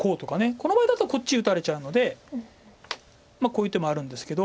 この場合だとこっち打たれちゃうのでこういう手もあるんですけど。